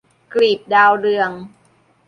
กลีบดาวเรือง